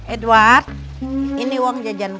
edward ini uang jajan